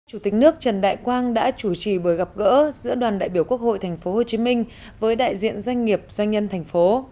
chủ tịch nước trần đại quang đã chủ trì buổi gặp gỡ giữa đoàn đại biểu quốc hội tp hcm với đại diện doanh nghiệp doanh nhân thành phố